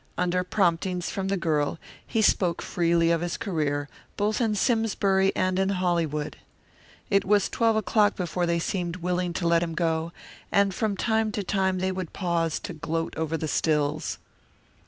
Under promptings from the girl he spoke freely of his career, both in Simsbury and in Hollywood. It was twelve o'clock before they seemed willing to let him go, and from time to time they would pause to gloat over the stills.